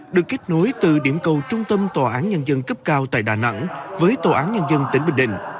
được kết nối từ điểm cầu trung tâm tòa án nhân dân cấp cao tại đà nẵng với tòa án nhân dân tỉnh bình định